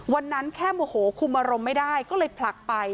วันนั้นแค่โมโหคุมอารมณ์ไม่ได้ก็เลยผลักไป